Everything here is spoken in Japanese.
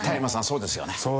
そうですね。